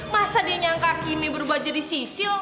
masa dia nyangka kimi berubah jadi sisil